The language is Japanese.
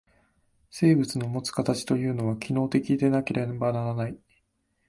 生物のもつ形というのは、機能的でなければならない。